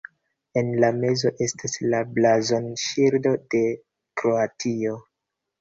En la mezo estas la blazonŝildo de Kroatio.